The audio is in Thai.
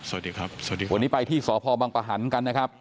สวัสดีครับสวัสดีวันนี้ไปที่สพบังปะหันกันนะครับ